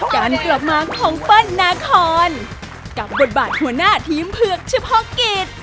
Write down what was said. การกลับมาของเปิ้ลนาคอนกับบทบาทหัวหน้าทีมเผือกเฉพาะกิจ